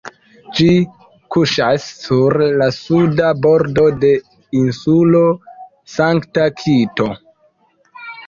Ĝi kuŝas sur la suda bordo de Insulo Sankta-Kito.